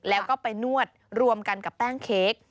แล้วก็ไปนวดรวมกันกับแป้งเค้ก